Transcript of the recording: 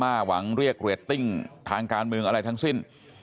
หวังเรียกเรตติ้งทางการเมืองอะไรทั้งสิ้น